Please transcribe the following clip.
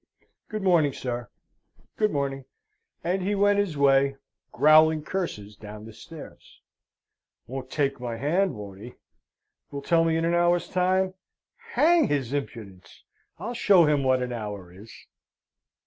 Good morning, sir, good morning:" and he went his way, growling curses down the stairs. "Won't take my hand, won't he? Will tell me in an hour's time! Hang his impudence! I'll show him what an hour is!"